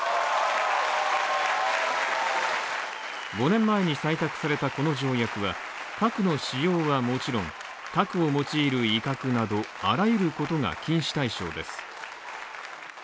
５年前に採択されたこの条約は核の使用はもちろん、核を用いる威嚇などあらゆることが禁止対象です。